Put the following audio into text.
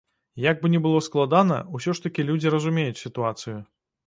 Як бы ні было складана, усё ж такі людзі разумеюць сітуацыю.